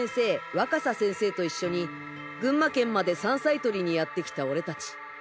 若狭先生と一緒に群馬県まで山菜採りにやってきた俺達